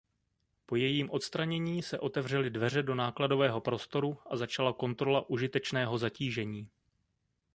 Po jejím odstranění se otevřely dveře do nákladového prostoru a začala kontrola užitečného zatížení.